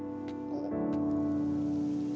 あっ。